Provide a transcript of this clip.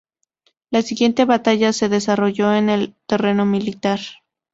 La siguiente batalla se desarrolló en el terreno militar.